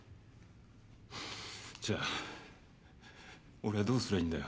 じゃあ俺はどうすりゃいいんだよ？